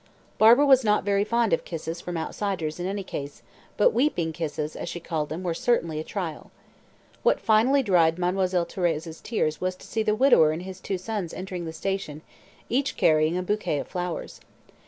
Barbara was not very fond of kisses from outsiders in any case, but "weeping kisses," as she called them, were certainly a trial! What finally dried Mademoiselle Thérèse's tears was to see the widower and his two sons entering the station, each carrying a bouquet of flowers.